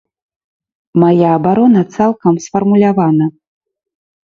Мая абарона цалкам сфармулявана.